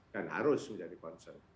dan harus menjadi concern